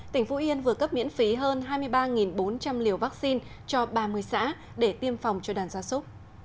tỉnh phú yên vừa cấp miễn phí hơn hai mươi ba bốn trăm linh liều vaccine cho ba mươi xã để tiêm phòng cho đàn gia súc